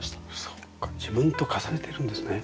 そうか自分と重ねてるんですね。